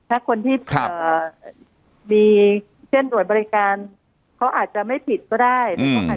ถ้าคนที่ครับมีเช่นโดยบริการเขาอาจจะไม่ผิดก็ได้